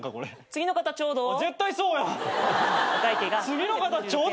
「次の方ちょうど」